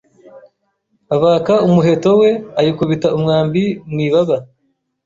abaka umuheto we ayikubita umwambi mu ibaba